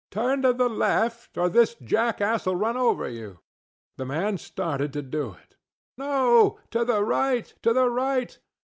Turn to the left, or this jackass ŌĆÖll run over you! ŌĆØ The man started to do it. ŌĆ£No, to the right, to the right!